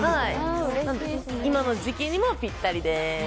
今の時期にもぴったりです。